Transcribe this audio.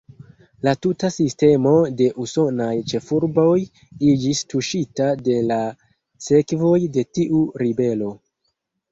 La tuta sistemo de usonaj ĉefurboj iĝis tuŝita de la sekvoj de tiu ribelo.